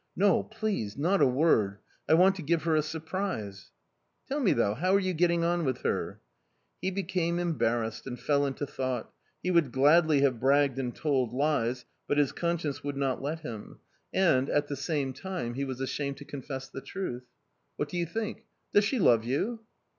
"No, please, not a word... I want to give her a surprise"... "Tell me, though, how are you getting on with her?" He became embarrassed, and fell into thought; he would gladly have bragged and told lies, but his conscience would not let him; and, at the same time, he was ashamed to confess the truth. "What do you think? Does she love you?"...